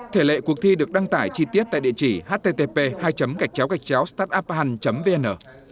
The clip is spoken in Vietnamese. thể lệ cuộc thi được đăng tải chi tiết tại địa chỉ http startuphunt vn